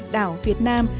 đảo việt nam